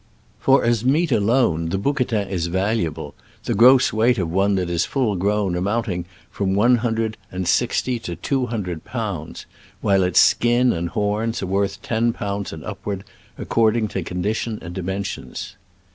For as meat alone the THB BOUQUBTIN. bouquetin is valuable, the gross weight of one that is full grown amounting to from one hundred and sixty to two hun dred pounds, while its skin and horns are worth ten pounds and upward, ac cording to condition and dimensions.